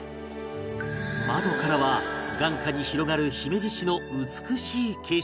窓からは眼下に広がる姫路市の美しい景色が